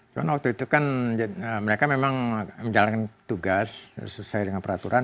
cuma waktu itu kan mereka memang menjalankan tugas sesuai dengan peraturan